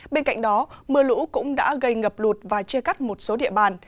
bên cạnh đó mưa lũ cũng đã gây ngập lụt và chia cắt một số địa bàn